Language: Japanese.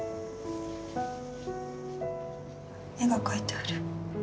絵が描いてある。